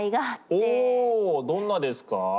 おおどんなですか？